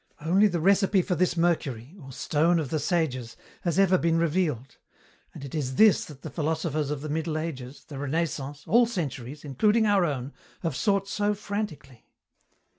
"Only the recipe for this mercury, or stone of the sages, has ever been revealed and it is this that the philosophers of the Middle Ages, the Renaissance, all centuries, including our own, have sought so frantically.